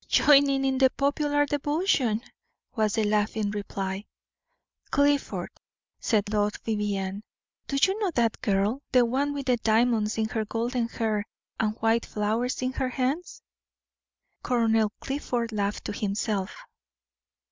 "Joining in popular devotion," was the laughing reply. "Clifford," said Lord Vivianne, "do you know that girl the one with diamonds in her golden hair, and white flowers in her hands?" Colonel Clifford laughed to himself.